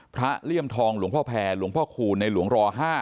เลี่ยมทองหลวงพ่อแพรหลวงพ่อคูณในหลวงร๕